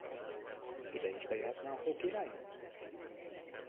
Ide is bejöhetne a Hókirálynő?